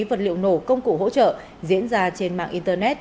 vật liệu nổ công cụ hỗ trợ diễn ra trên mạng internet